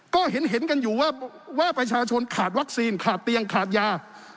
ก็เห็นกันอยู่ว่าประชาชนขาดวัคซีนขาดเตียงขาดยา